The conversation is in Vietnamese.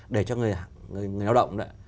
để cho người đào động